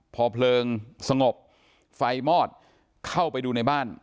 พอเพลิงสงบไฟมอดเข้าไปดูในบ้าน